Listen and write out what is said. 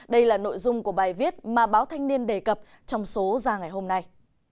đây là nội dung của bài viết mà báo thanh niên đề cập trong số ra ngày hôm nay